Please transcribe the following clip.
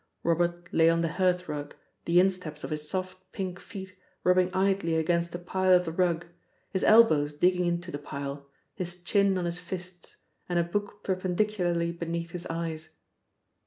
Robert lay on the hearth rug, the insteps of his soft, pink feet rubbing idly against the pile of the rug, his elbows digging into the pile, his chin on his fists, and a book perpendicularly beneath his eyes.